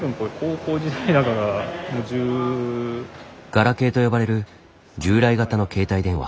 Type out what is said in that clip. ガラケーと呼ばれる従来型の携帯電話。